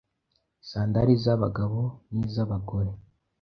sandari z’abagabo niza abagore,